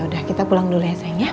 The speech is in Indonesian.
ya udah kita pulang dulu ya sayang ya